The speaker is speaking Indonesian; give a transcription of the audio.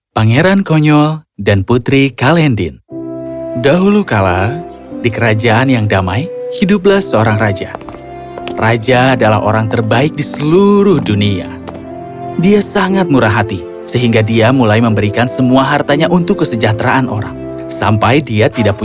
pangeran konyol dan putri kalendin